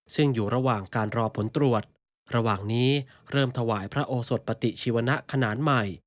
ซึ่งอยู่ระหว่างการรอผลตรวจระหว่างนี้เริ่มถวายพระโอสดปฏิชีวนะขนาดใหม่